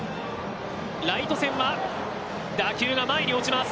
ライト線は、打球が前に落ちます。